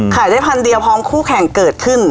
ขายได้พันเดียวพร้อมคู่แข่งเกิดขึ้น